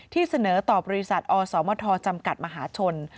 เสนอต่อบริษัทอสมทจำกัดมหาชน